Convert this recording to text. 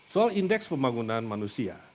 soal indeks pembangunan manusia